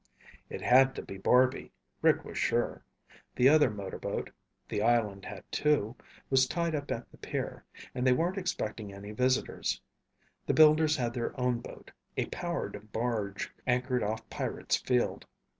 It had to be Barby, Rick was sure. The other motorboat the island had two was tied up at the pier, and they weren't expecting any visitors. The builders had their own boat, a powered barge, anchored off Pirate's Field.